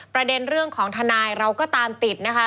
ประเด็นเรื่องของทนายเราก็ตามติดนะคะ